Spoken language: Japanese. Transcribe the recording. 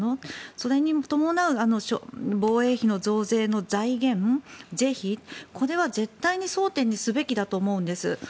それに伴う防衛費の増税の財源の是非これは絶対に争点にすべきだと思うんです。